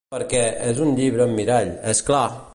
Per què, és un llibre amb mirall, és clar!